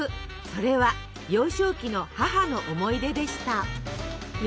それは幼少期の母の思い出でした。